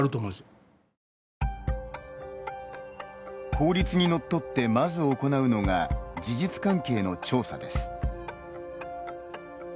法律にのっとってまず行うのが事実関係の調査です。